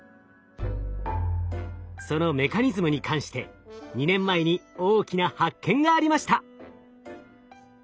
そのメカニズムに関して２年前に大きな発見がありました！